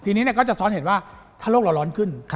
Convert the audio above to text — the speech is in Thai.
ทีนี้ก็จะซ้อนเห็นว่าถ้าโลกเราร้อนขึ้น